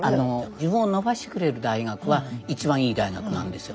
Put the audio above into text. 自分を伸ばしてくれる大学は一番いい大学なんですよ。